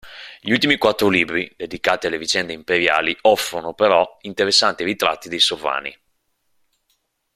Gli ultimi quattro libri, dedicati alle vicende imperiali, offrono, però, interessanti ritratti dei sovrani.